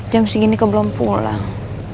jam segini kau belum pulang